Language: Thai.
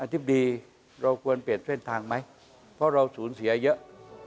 ธิบดีเราควรเปลี่ยนเส้นทางไหมเพราะเราสูญเสียเยอะ